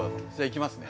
いきますね。